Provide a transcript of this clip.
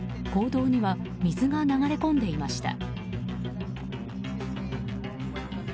坑道には水が流れ込んでいました。